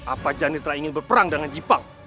apa janitra ingin berperang dengan jepang